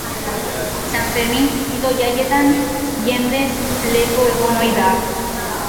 San Fermin Txikito jaietan jendez lepo egon ohi da.